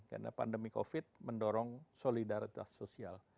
karena pandemi covid mendorong solidaritas sosial